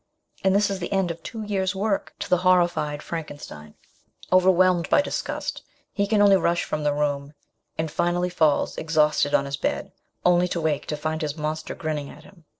And this is the end of two years work to the horriSed Frankenstein. Over whelmed by disgust, he can only rush from the room, and finally falls exhausted on his bed, only to wake to find his monster grinning at him.